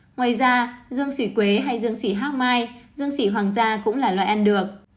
ngoài ra dương sỉ quế hay dương sỉ hác mai dương sỉ hoàng gia cũng là loại ăn được